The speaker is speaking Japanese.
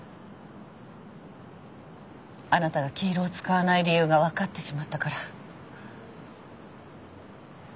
あなたが黄色を使わない理由が分かってしまったから。